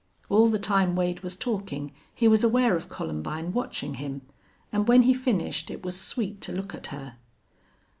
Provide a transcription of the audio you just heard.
All the time Wade was talking he was aware of Columbine watching him, and when he finished it was sweet to look at her.